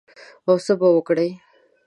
او څه به وکړې؟